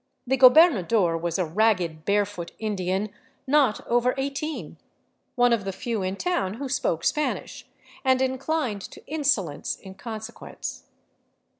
The gobernador was a ragged, barefoot Indian not over eighteen, one of the few in town who spoke Spanish, and in clined to insolence in consequence.